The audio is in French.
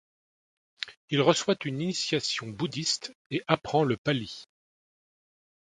Il reçoit une initiation bouddhiste et apprend le pali.